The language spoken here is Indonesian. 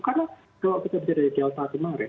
karena kalau kita berada di delta kemarin